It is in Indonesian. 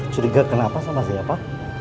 curiga kenapa sama siapa